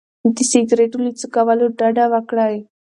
د سګرټو له څکولو ډډه وکړئ.